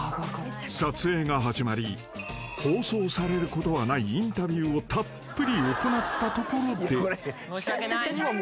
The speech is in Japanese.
［撮影が始まり放送されることがないインタビューをたっぷり行ったところで］